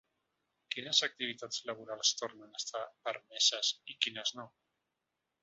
Quines activitats laborals tornen a estar permeses i quines no?